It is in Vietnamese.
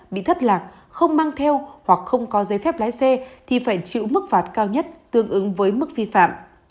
bị thất lạc không mang theo hoặc không có giấy phép lái xe thì phải chịu mức phạt cao nhất tương ứng với mức vi phạm